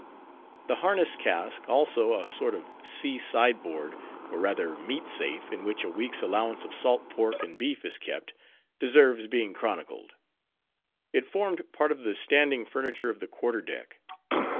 The harness cask, also, a sort of sea side board, or rather meat safe, in which a week's allowance of salt pork and beef is kept, deserves being chronicled. It formed part of the standing furniture of the quarter deck.